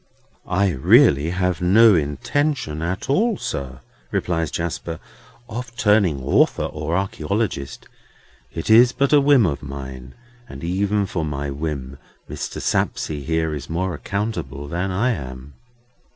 "I really have no intention at all, sir," replies Jasper, "of turning author or archæologist. It is but a whim of mine. And even for my whim, Mr. Sapsea here is more accountable than I am."